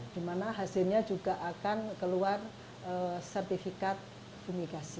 di mana hasilnya juga akan keluar sertifikat imigrasi